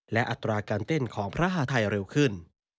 และอัตราการเต้นของพระหาทัยเร็วขึ้น